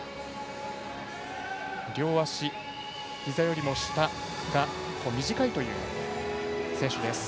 両足、ひざよりも下が短いという選手です。